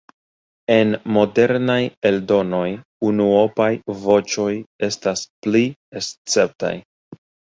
En modernaj eldonoj unuopaj voĉoj estas pli esceptaj.